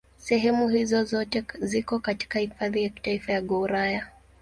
Sehemu hizo zote ziko katika Hifadhi ya Kitaifa ya Gouraya.